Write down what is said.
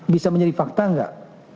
bisa menjadi fakta nggak